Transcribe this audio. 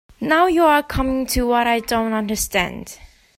Now you are coming to what I don't understand.